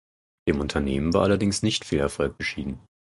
Dem Unternehmen war allerdings nicht viel Erfolg beschieden.